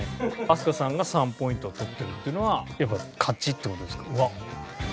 飛鳥さんが３ポイント取ってるっていうのはやっぱ勝ちって事ですか？